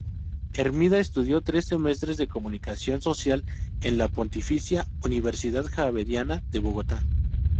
Hermida estudió tres semestres de Comunicación Social en la Pontificia Universidad Javeriana de Bogotá.